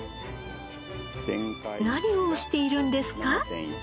何をしているんですか？